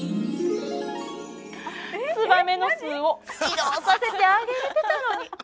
ツバメの巣を移動させてあげれてたのに。